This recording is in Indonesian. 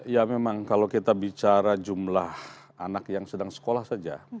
ya memang kalau kita bicara jumlah anak yang sedang sekolah saja